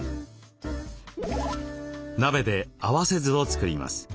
鍋で合わせ酢をつくります。